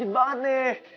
yaudah sini gue tolongin ya